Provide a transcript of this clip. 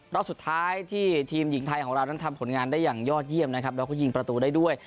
รอบสุดท้ายที่ทีมหญิงไทยของเรานั้นทำผลงานได้อย่างยอดเยี่ยมนะครับแล้วก็ยิงประตูได้ด้วย